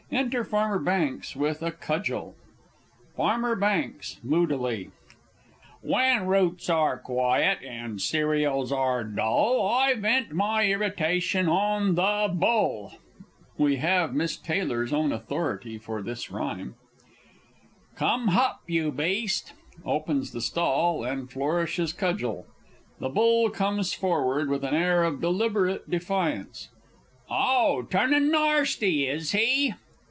Enter_ Farmer BANKS with a cudgel. Farmer B. (moodily). When roots are quiet, and cereals are dull, I vent my irritation on the Bull. [We have Miss TAYLOR'S own authority for this rhyme. Come hup, you beast! [Opens stall and flourishes cudgel the Bull comes forward with an air of deliberate defiance. Oh, turning narsty, is he?